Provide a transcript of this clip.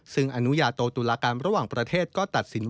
ซึ่งอนุญาโตตุลาการระหว่างประเทศก็ตัดสิน